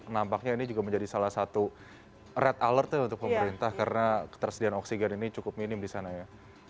nampaknya ini juga menjadi salah satu red alertnya untuk pemerintah karena ketersediaan oksigen ini cukup minim di sana ya